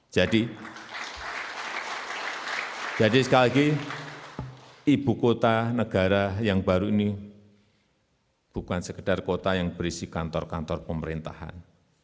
jadi sekali lagi ibu kota negara yang baru ini bukan sekedar kota yang berisi kantor kantor pemerintahan